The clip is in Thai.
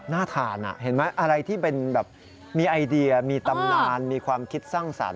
น่าทานเห็นไหมอะไรที่เป็นแบบมีไอเดียมีตำนานมีความคิดสร้างสรรค